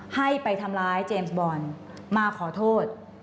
ให้ไปทำร้ายเจมส์บอลมาขอโทษ